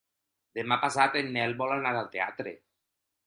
Demà passat en Nel vol anar al teatre.